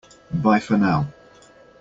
Bye for now!